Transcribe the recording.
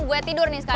gue tidur nih sekarang